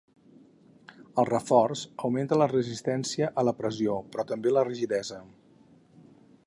El reforç augmenta la resistència a la pressió però també la rigidesa.